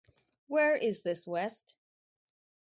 Where is This West?